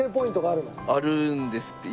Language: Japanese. あるんですって。